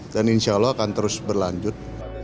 dan insya allah akan terus berlanjut